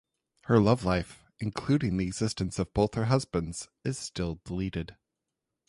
Her love life, including the existence of both her husbands is still deleted.